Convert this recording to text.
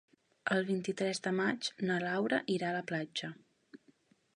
El vint-i-tres de maig na Laura irà a la platja.